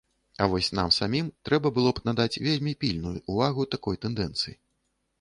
А вось нам самім трэба было б надаць вельмі пільную ўвагу такой тэндэнцыі.